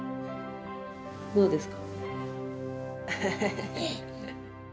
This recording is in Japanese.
どうですか？